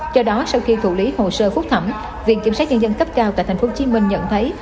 do đó sau khi thủ lý hồ sơ phúc thẩm viện kiểm sát nhân dân cấp cao tại tp hcm nhận thấy